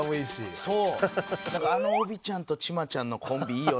あのオビちゃんとチマちゃんのコンビいいよね。